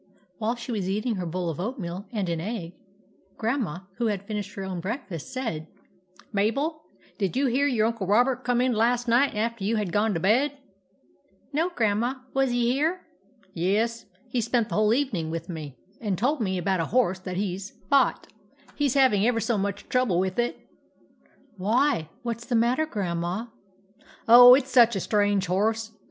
While she was eating her bowl of oat meal and an tgg y Grandma, who had fin ished her own breakfast, said :—" Mabel, did you hear your Uncle Robert come in last night after you had gone to bed ?"" No, Grandma. Was he here ?"" Yes ; he spent the whole evening with me, and he told me about a horse that he 's THE TAMING OF REX 15 bought. He 's having ever so much trouble with it." " Why ? What 's the matter, Grandma? "" Oh, it 's such a strange horse.